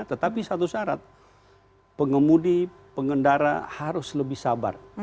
tetapi satu syarat pengemudi pengendara harus lebih sabar